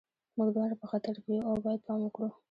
موږ دواړه په خطر کې یو او باید پام وکړو